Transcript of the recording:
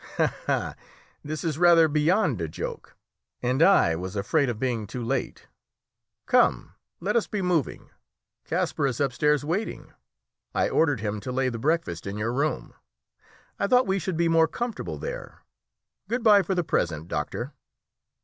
"Ha, ha! this is rather beyond a joke. And I was afraid of being too late! Come, let us be moving. Kasper is upstairs waiting. I ordered him to lay the breakfast in your room; I thought we should be more comfortable there. Good bye for the present, doctor."